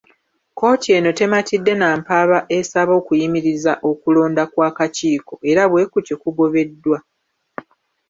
Kkooti eno tematidde nampaba esaba okuyimirizza okulonda kwa kakiiko era bwekutyo kugobeddwa.